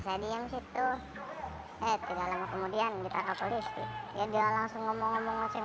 tembak peluru karet kemudian apa yang terjadi